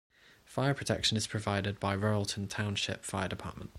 Fire protection is provided by Royalton Township Fire Department.